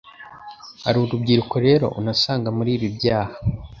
hari urubyiruko rero unasanga muri ibi byaha.